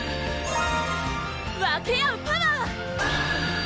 分け合うパワー！